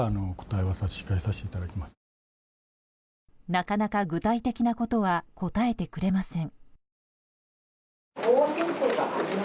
なかなか具体的なことは答えてくれません。